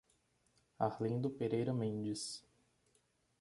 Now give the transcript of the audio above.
Arlindo Pereira Mendes